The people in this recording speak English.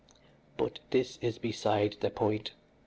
"But this is beside the point.